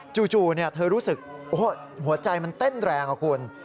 จู่เธอรู้สึกหัวใจมันเต้นแรงอะคุณ